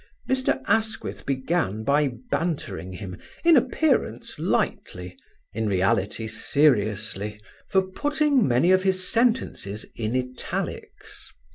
Mr. Asquith began by bantering him, in appearance lightly, in reality, seriously, for putting many of his sentences in italics.